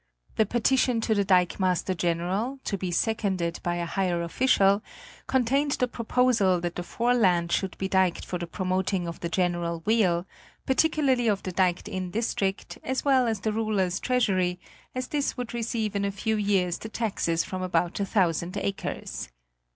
The petition to the dikemaster general, to be seconded by a higher official, contained the proposal that the foreland should be diked for the promoting of the general weal, particularly of the diked in district, as well as the ruler's treasury, as this would receive in a few years the taxes from about a thousand acres.